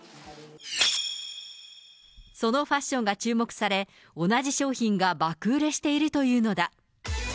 そのファッションが注目され、同じ商品が爆売れしているというのだ。